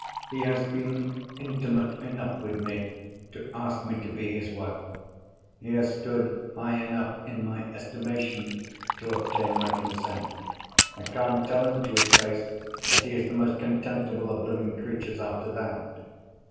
"He has been intimate enough with me to ask me to be his wife. He has stood high enough in my estimation to obtain my consent. I can't tell him to his face that he is the most contemptible of living creatures, after that!"